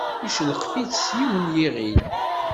Yeccelqef-itt s yiwen n yiɣil.